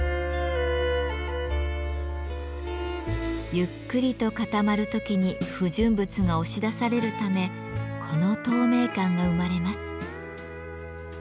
ゆっくりと固まる時に不純物が押し出されるためこの透明感が生まれます。